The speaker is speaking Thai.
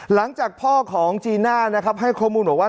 หลังจากพ่อของจีน่านะครับให้ข้อมูลบอกว่า